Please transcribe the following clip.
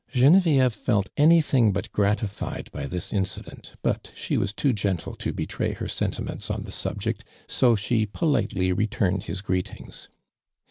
Genevieve felt anything but gratified by tliis incident, but she was too gentle to betray her sentiments on the subject, so she politely returned his greetings.